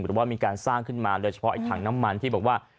หรือว่ามีการสร้างขึ้นมาโดยเฉพาะไอ้ถังน้ำมันที่บอกว่า